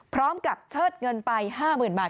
พร้อมกับเชิดเงินไป๕๐๐๐บาท